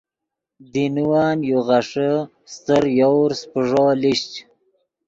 دینوّن یو غیݰے استر یوورس پیݱو لیشچ۔